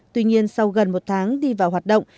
tuy nhiên sau gần một tháng đi vào hoạt động